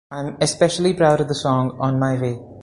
I'm especially proud of the song "On My Way".